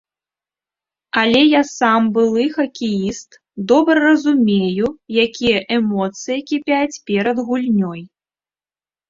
Але я сам былы хакеіст, добра разумею, якія эмоцыі кіпяць перад гульнёй.